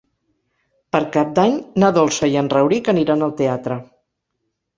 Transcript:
Per Cap d'Any na Dolça i en Rauric aniran al teatre.